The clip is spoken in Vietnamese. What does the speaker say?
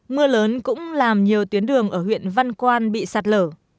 mưa lớn cũng làm nhiều tuyến đường ở huyện văn quan bị sạt lở